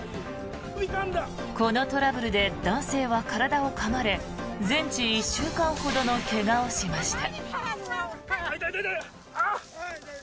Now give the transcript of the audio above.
このトラブルで男性は体をかまれ全治１週間ほどの怪我をしました。